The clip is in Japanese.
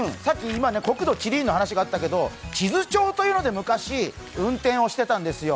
今、国土地理院の話があったけど地図帳というので昔運転をしていたんですよ。